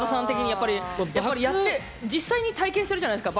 やっぱり実際に体験するじゃないですか。